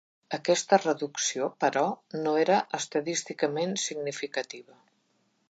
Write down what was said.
Aquesta reducció, però, no era estadísticament significativa.